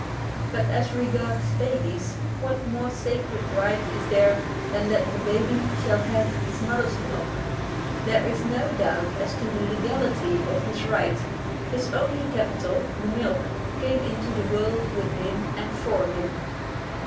But as regards babies, what more sacred right is there than that the baby shall have its mother's milk? There is no doubt as to the legality of his right; his only capital, the milk, came into the world with him and for him.